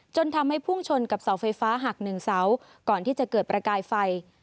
จนทำให้พุ่งชนกับเสาไฟฟ้าหักหนึ่งเสาก่อนที่จะเกิดประกายไฟ